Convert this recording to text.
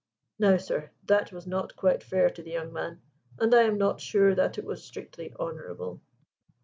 Now, sir, that was not quite fair to the young man, and I am not sure that it was strictly honourable?"